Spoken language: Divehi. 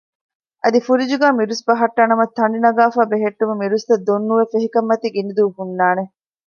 އަދި ފުރިޖުގައި މިރުސް ބަހައްޓާނަމަ ތަނޑި ނަގާފައި ބެހެއްޓުމުން މިރުސްތައް ދޮން ނުވެ ފެހިކަންމަތީ ގިނަ ދުވަހު ހުންނާނެ